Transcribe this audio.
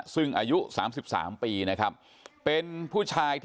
ซึ่งอายุ๓๓ปีนะครับเป็นผู้ชายที่